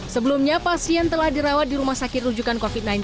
sebelumnya pasien telah dirawat di rumah sakit rujukan covid sembilan belas